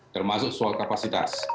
termasuk soal kapasitas